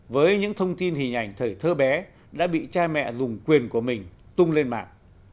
với những thông tin hình ảnh thời thơ bé đã bị cha mẹ dùng quyền của mình tung lên mạng